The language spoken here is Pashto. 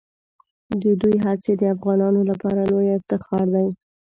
د دوی هڅې د افغانانو لپاره لویه افتخار دي.